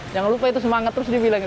jangan lupa itu semangat terus dibilang